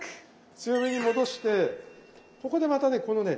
強火に戻してここでまたねこのね